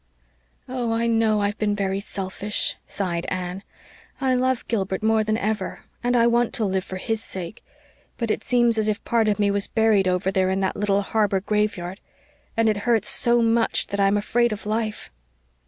"Oh, I know I've been very selfish," sighed Anne. "I love Gilbert more than ever and I want to live for his sake. But it seems as if part of me was buried over there in that little harbor graveyard and it hurts so much that I'm afraid of life."